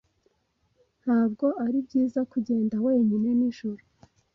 [S] Ntabwo ari byiza kugenda wenyine nijoro.